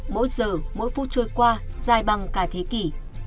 mỗi giờ mỗi phút trôi qua dài bằng cả thế kỷ